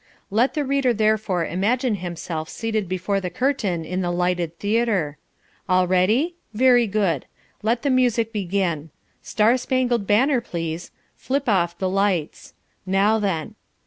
Let the reader therefore imagine himself seated before the curtain in the lighted theatre. All ready? Very good. Let the music begin Star Spangled Banner, please flip off the lights. Now then.